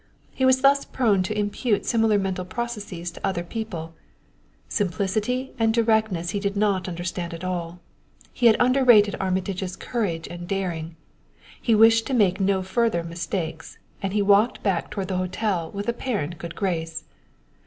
He was thus prone to impute similar mental processes to other people; simplicity and directness he did not understand at all. He had underrated Armitage's courage and daring; he wished to make no further mistakes, and he walked back toward the hotel with apparent good grace.